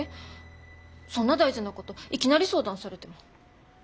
そんな大事なこといきなり相談されても。